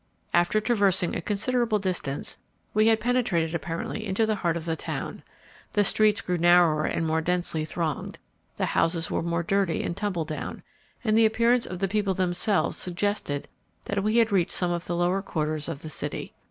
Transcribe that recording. After traversing a considerable distance, we had penetrated apparently into the heart of the town. The streets grew narrower and more densely thronged; the houses were more dirty and tumbledown, and the appearance of the people themselves suggested that we had reached some of the lower quarters of the city.